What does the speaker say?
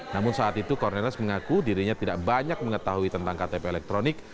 namun saat itu cornest mengaku dirinya tidak banyak mengetahui tentang ktp elektronik